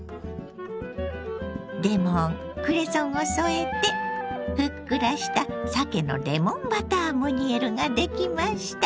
レモンクレソンを添えてふっくらしたさけのレモンバタームニエルができました。